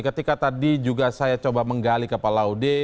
ketika tadi juga saya coba menggali ke pak laude